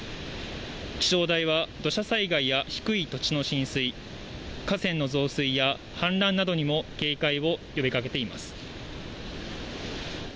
気象台は土砂災害や低い土地の浸水、河川の増水や氾濫などにも警戒を呼びかけています。